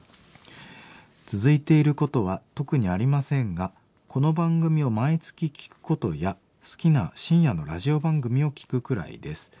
「続いていることは特にありませんがこの番組を毎月聴くことや好きな深夜のラジオ番組を聴くくらいです。